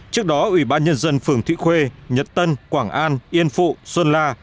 trước đó ủy ban nhân dân phường thị khuê nhật tân quảng an yên phụ xuân la